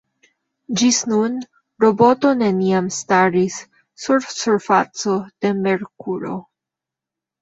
Ĝis nun, roboto neniam staris sur surfaco de Merkuro.